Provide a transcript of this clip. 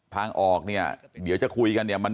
ทางออกเดี๋ยวจะคุยกัน